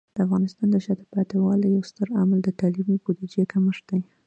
د افغانستان د شاته پاتې والي یو ستر عامل د تعلیمي بودیجه کمښت دی.